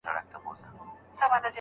لار دي را وښیه بیابانه پر ما ښه لګیږي.